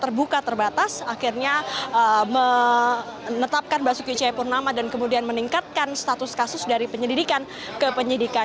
terbuka terbatas akhirnya menetapkan basuki cepurnama dan kemudian meningkatkan status kasus dari penyelidikan ke penyidikan